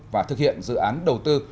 và thực hiện dự án đầu tư